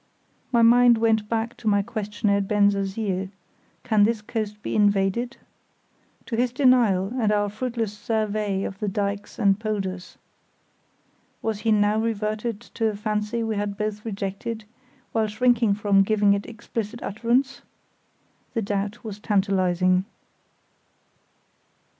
My mind went back to my question at Bensersiel, "Can this coast be invaded?" to his denial and our fruitless survey of the dykes and polders. Was he now reverting to a fancy we had both rejected, while shrinking from giving it explicit utterance? The doubt was tantalising.